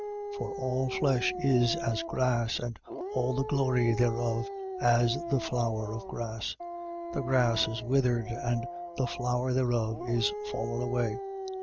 1:24. For all flesh is as grass and all the glory thereof as the flower of grass. The grass is withered and the flower thereof is fallen away.